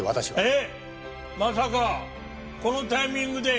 えっまさかこのタイミングで。